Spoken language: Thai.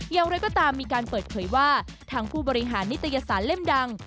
อย่างไรก็ตามมีการเปิดเผยว่าทางผู้บริหารนิตยสารเล่มดัง